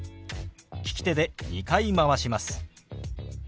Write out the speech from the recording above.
利き手で２回回します。